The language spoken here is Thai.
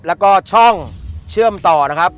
แล้วก็ช่องเชื่อมต่อนะครับ